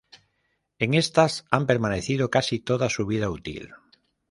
En estas han permanecido casi toda su vida útil.